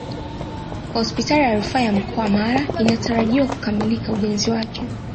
Hospitali ya rufaa ya mkoa wa mara inatarajiwa kukamilika ujenzi wake